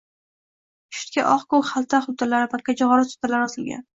Shiftga oq-koʼk xalta-xultalar, makkajoʼxori soʼtalari osilgan.